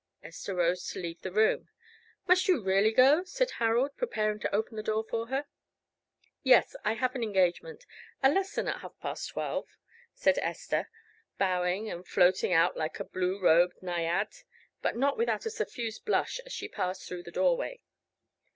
Esther rose to leave the room. "Must you really go?" said Harold, preparing to open the door for her. "Yes, I have an engagement a lesson at half past twelve," said Esther, bowing and floating out like a blue robed Naïad, but not without a suffused blush as she passed through the doorway.